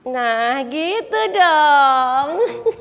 nah gitu dong